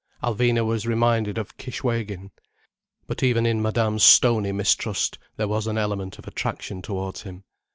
Alvina was reminded of Kishwégin. But even in Madame's stony mistrust there was an element of attraction towards him.